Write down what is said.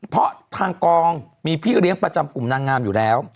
เพราะทางกองมีพี่เลี้ยงประจำกลุ่มนางงามอยู่แล้ว